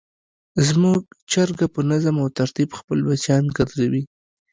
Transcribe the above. زموږ چرګه په نظم او ترتیب خپل بچیان ګرځوي.